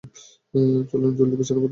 চলেন, জলদি বিছানাপত্র বিছান।